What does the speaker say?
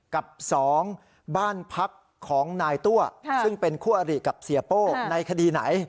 กับ๒บ้านพักของนายตัวซึ่งเป็นคู่อริกับเสียโป้ในคดีไหน